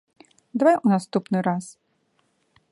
Давай у наступны раз.